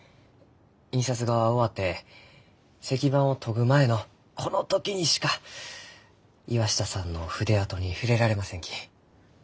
印刷が終わって石版を研ぐ前のこの時にしか岩下さんの筆跡に触れられませんき。